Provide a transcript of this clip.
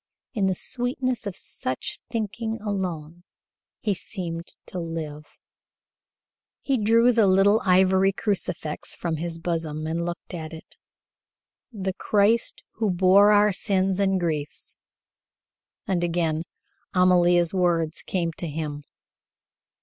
In the sweetness of such thinking alone he seemed to live. He drew the little ivory crucifix from his bosom and looked at it. "The Christ who bore our sins and griefs" and again Amalia's words came to him.